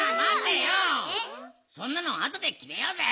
そんなのあとできめようぜ！